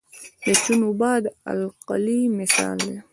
د چونې اوبه د القلي مثال دی.